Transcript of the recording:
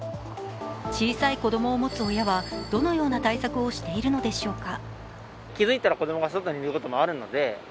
小さい子供を持つ親はどのような対策をしているのでしょうか。